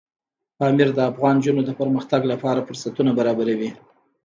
پامیر د افغان نجونو د پرمختګ لپاره فرصتونه برابروي.